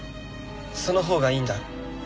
そのほうがいいんだ。